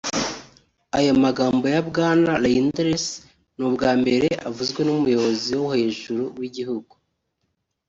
Aya magambo ya Bwana Reynders si ubwa mbere avuzwe n’umuyobozi wo hejuru w’igihugu